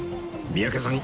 三宅さん